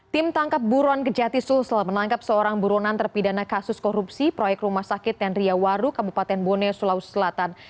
tim tangkap buron kejati sulsel menangkap seorang buronan terpidana kasus korupsi proyek rumah sakit tenria waru kabupaten bone sulawesi selatan